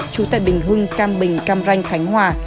trú tại bình hưng cam bình cam ranh khánh hòa